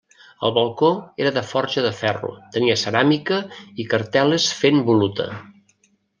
El balcó era de forja de ferro, tenia ceràmica i cartel·les fent voluta.